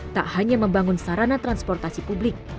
tak hanya membangun sarana transportasi publik